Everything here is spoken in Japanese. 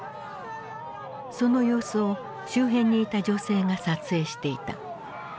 その様子を周辺にいた女性が撮影していた。